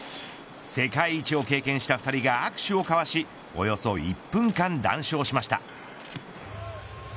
世界一を経験した２人が握手を交わしおよそ１分間、談笑しました。